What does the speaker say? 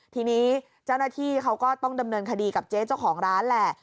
ทีนี้เจ้าหน้าที่เขาก็ต้องดำเนินคดีกับเจ๊เจ้าของร้านแหละ